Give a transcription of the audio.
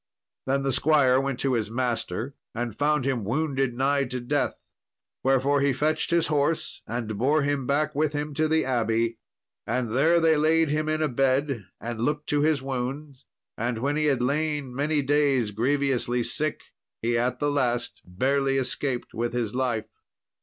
Then the squire went to his master, and found him wounded nigh to death, wherefore he fetched his horse, and bore him back with him to the abbey. And there they laid him in a bed, and looked to his wounds; and when he had lain many days grievously sick, he at the last barely escaped with his life.